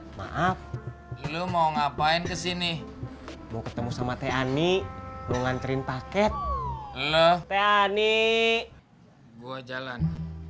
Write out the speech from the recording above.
maaf maaf lu mau ngapain kesini mau ketemu sama teh anik lu nganterin paket oh ane gua jalan